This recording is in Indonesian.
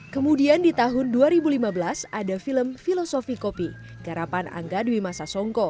kemudian di tahun dua ribu lima belas ada film filosofi kopi garapan angga dwi masa songko